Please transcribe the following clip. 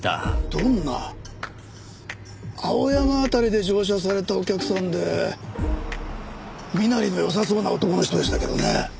どんな？青山辺りで乗車されたお客さんで身なりの良さそうな男の人でしたけどね。